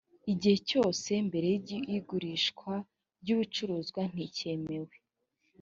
igihe cyose mbere y ‘igurishwa ry ‘ibicuruzwa ntikemewe.